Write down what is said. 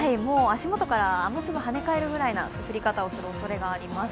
足元から雨粒がはね返るくらいの降り方をすると思います。